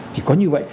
chỉ có như vậy